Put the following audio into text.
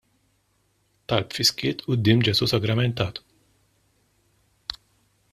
Talb fis-skiet quddiem Ġesù sagramentat.